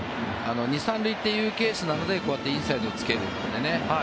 ２・３塁というケースなのでこうやってインサイドを突けるので。